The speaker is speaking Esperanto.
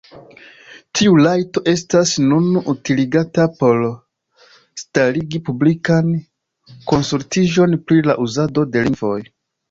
Tiu rajto estas nun utiligata por starigi publikan konsultiĝon pri la uzado de lingvoj.